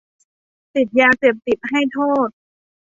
ติดยาเสพติดให้โทษ